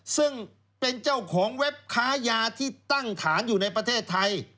ซึ่งเป็นเจ้าของเว็บค้ายาที่ตั้งฐานอยู่ในประเทศไทย